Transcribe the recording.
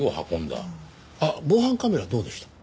あっ防犯カメラどうでした？